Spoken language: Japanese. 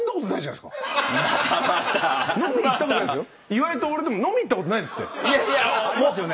岩井と俺とも飲み行ったことないですって。